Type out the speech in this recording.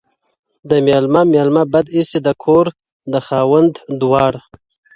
د مېلمه، مېلمه بد اېسي د کور، د خاوند دواړه.